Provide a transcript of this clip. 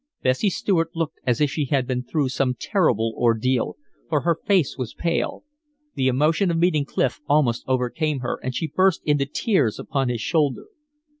Bessie Stuart looked as if she had been through some terrible ordeal, for her face was pale; the emotion of meeting Clif almost overcame her, and she burst into tears upon his shoulder.